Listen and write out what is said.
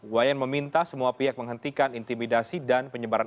wayan meminta semua pihak menghentikan intimidasi dan penyebaran